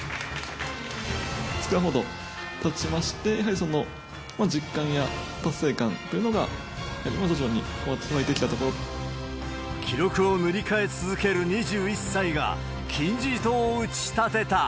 ２日ほどたちまして、やはり実感や達成感というのが、記録を塗り替え続ける２１歳が、金字塔を打ち立てた。